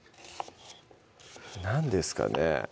何ですかね